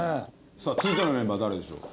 さあ続いてのメンバーは誰でしょうか？